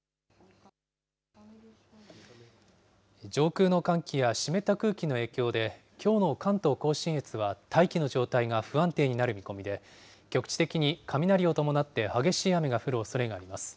上空の寒気や湿った空気の影響で、きょうの関東甲信越は大気の状態が不安定になる見込みで、局地的に雷を伴って激しい雨が降るおそれがあります。